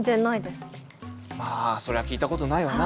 そりゃ聞いたことないよな。